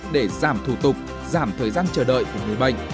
để giảm thủ tục giảm thời gian chờ đợi của người bệnh